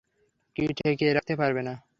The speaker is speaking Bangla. কী ঠেকিয়ে রাখতে পারবে না?